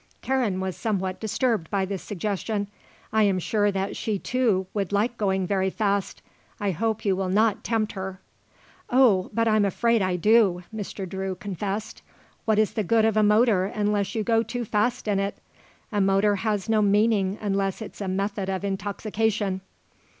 Karen was somewhat disturbed by this suggestion. "I am sure that she, too, would like going very fast. I hope you will not tempt her." "Oh, but I'm afraid I do," Mr. Drew confessed. "What is the good of a motor unless you go too fast in it? A motor has no meaning unless it's a method of intoxication."